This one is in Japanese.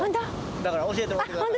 だから教えてもらって下さい。